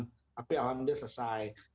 tapi alhamdulillah selesai